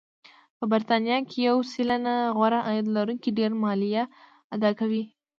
په بریتانیا کې یو سلنه غوره عاید لرونکي ډېره مالیه اداکوي